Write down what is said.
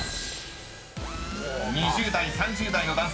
［２０代３０代の男性］